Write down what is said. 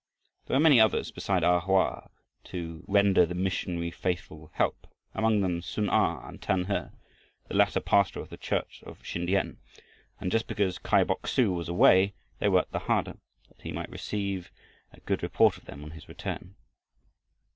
There were many others besides A Hoa to render the missionary faithful help; among them Sun a and Tan He, the latter pastor of the church of Sin tiam; and just because Kai Bok su was away they worked the harder, that he might receive a good report of them on his return.